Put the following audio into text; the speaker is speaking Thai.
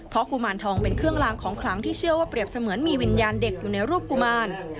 เพราะกุมารทองเป็นเครื่องลางของขลังที่เชื่อว่าเปรียบเสมือนมีวิญญาณเด็กอยู่ในรูปกุมาร